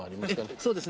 そうですよね。